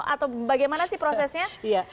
atau bagaimana sih prosesnya